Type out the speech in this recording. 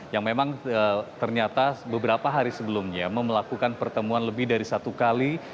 yang memang ternyata beberapa hari sebelumnya memelakukan pertemuan lebih dari satu kali